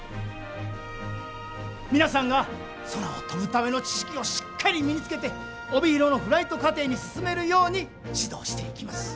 皆さんが空を飛ぶための知識をしっかり身につけて帯広のフライト課程に進めるように指導していきます。